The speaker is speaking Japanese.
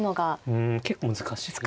うん結構難しいですね。